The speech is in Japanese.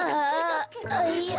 あいや。